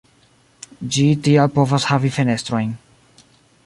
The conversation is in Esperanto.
Ĝi tial povas havi fenestrojn.